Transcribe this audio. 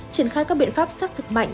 triển khai các biện pháp xác thực mạnh